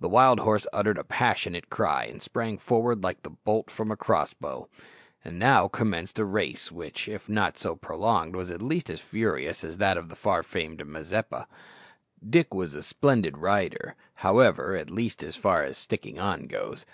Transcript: The wild horse uttered a passionate cry, and sprang forward like the bolt from a cross bow. And now commenced a race which, if not so prolonged, was at least as furious as that of the far famed Mazeppa. Dick was a splendid rider, however at least as far as "sticking on" goes.